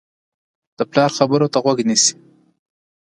د پلار خبرو ته غوږ نیسي.